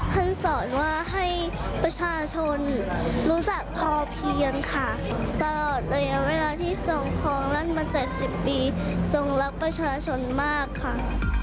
สอนว่าให้ประชาชนรู้จักพอเพียงค่ะตลอดระยะเวลาที่ทรงคลองลั่นมา๗๐ปีทรงรักประชาชนมากค่ะ